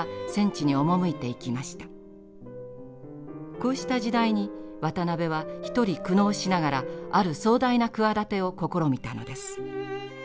こうした時代に渡辺は一人苦悩しながらある壮大な企てを試みたのです。